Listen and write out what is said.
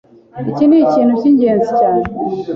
Iki ni ikintu cy’ingenzi cyane